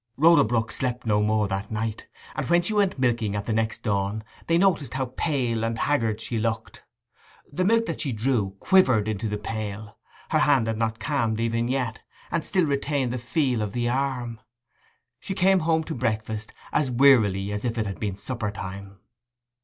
Rhoda Brook slept no more that night, and when she went milking at the next dawn they noticed how pale and haggard she looked. The milk that she drew quivered into the pail; her hand had not calmed even yet, and still retained the feel of the arm. She came home to breakfast as wearily as if it had been suppertime.